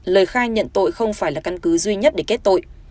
lời khai nhận tội không phải là căn cứ duy nhất để kết tội